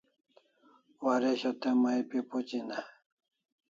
Waresho te mai pi phuchin e?